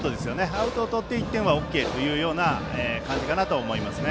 アウトをとって１点はＯＫという感じだと思います。